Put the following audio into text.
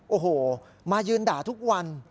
โอ้โหมายืนด่าทุกวัน